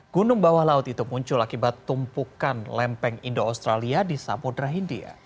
gunung bawah laut itu muncul akibat tumpukan lempeng indo australia di samudera india